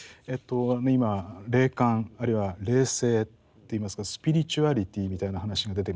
今霊感あるいは霊性っていいますかスピリチュアリティみたいな話が出てまいりましたね。